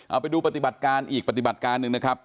เอาไปดูปฏิบัติการอีกปฏิบัติการหนึ่งนะครับ